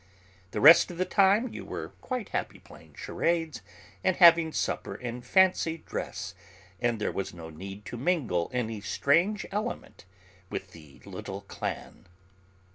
The rest of the time you were quite happy playing charades and having supper in fancy dress, and there was no need to mingle any strange element with the little 'clan.'